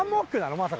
まさか。